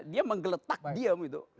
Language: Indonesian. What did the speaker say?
dia menggeletak diam gitu